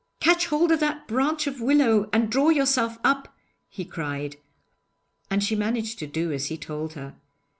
'Catch hold of that branch of willow and draw yourself up,' he cried, and she managed to do as he told her.